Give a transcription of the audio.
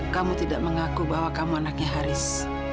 kamu tidak mengaku bahwa kamu anaknya haris